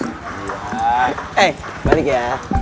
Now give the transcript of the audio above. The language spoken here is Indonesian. jangan eh balik ya